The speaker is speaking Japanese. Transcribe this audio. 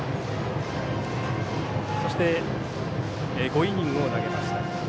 そして５イニングを投げました。